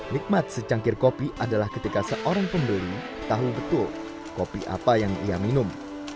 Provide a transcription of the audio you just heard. nikmat secangkir kopi adalah ketika seorang pembeli tahu betul kopi apa yang ia minum